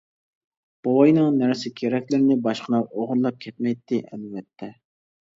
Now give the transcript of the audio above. بوۋاينىڭ نەرسە-كېرەكلىرىنى باشقىلار ئوغرىلاپ كەتمەيتتى، ئەلۋەتتە.